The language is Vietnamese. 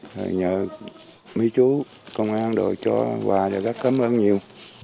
rồi nhờ mấy chú công an đòi cho quà rồi các cảm ơn nhiều